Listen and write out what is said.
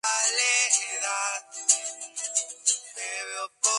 Rei Herb.